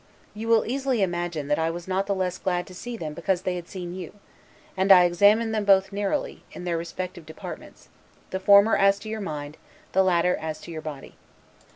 You will easily imagine, that I was not the less glad to see them because they had seen you; and I examined them both narrowly, in their respective departments; the former as to your mind, the latter, as to your body.